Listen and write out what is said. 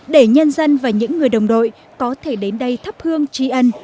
để nhân dân và những người đồng đội có thể đến đây thắp hương trí ân